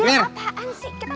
aduh apaan sih